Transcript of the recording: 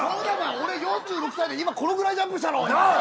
俺４６歳でこのぐらいジャンプしたの。